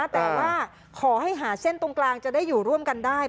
แต่ว่าขอให้หาเส้นตรงกลางจะได้อยู่ร่วมกันได้